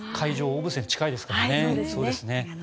小布施に近いですからね。